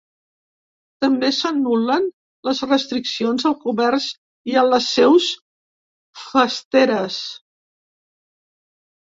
També s’anul·len les restriccions al comerç i a les seus festeres.